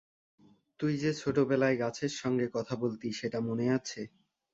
তুই যে ছোটবেলায় গাছের সঙ্গে কথা বলতি, সেটা মনে আছে?